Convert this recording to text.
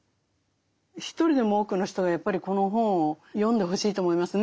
一人でも多くの人がやっぱりこの本を読んでほしいと思いますね。